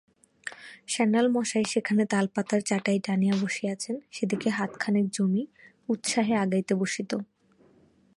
সান্যাল মশায় যেখানে তালপাতার চাটাই টানিয়া বসিয়াছেন সেদিকে হাতখানেক জমি উৎসাহে আগাইয়া বসিত।